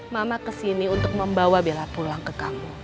mama kesini untuk membawa bella pulang ke kamu